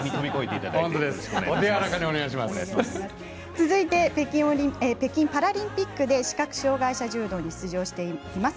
続いて北京パラリンピックで視覚障がい者柔道に出場しています